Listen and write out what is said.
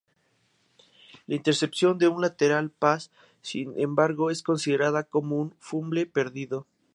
La intercepción de un lateral pass, sin embargo, es considerada como un fumble perdido.